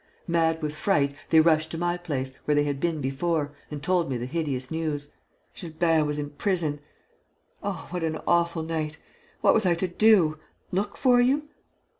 Mad with fright, they rushed to my place, where they had been before, and told me the hideous news. Gilbert was in prison! Oh, what an awful night! What was I to do? Look for you?